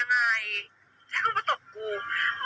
ไม่คุ้ม